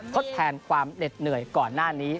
ทดแทนความเหน็ดเหนื่อยก่อนหน้านี้